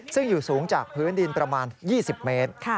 ซึ่งอยู่สูงจากพื้นดินประมาณ๒๐เมตร